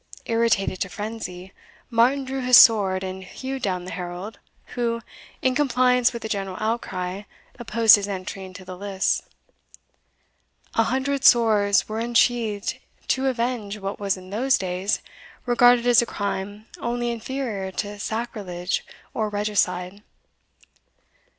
Irritated to frenzy, Martin drew his sword and hewed down the herald, who, in compliance with the general outcry, opposed his entry into the lists. An hundred swords were unsheathed to avenge what was in those days regarded as a crime only inferior to sacrilege or regicide.